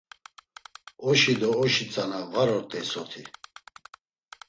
Oşi do oşi tzana var ort̆ey soti.